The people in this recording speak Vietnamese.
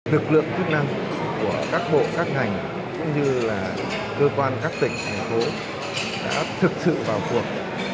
lực lượng chức năng của các bộ các ngành cũng như là cơ quan các tỉnh thành phố đã thực sự vào cuộc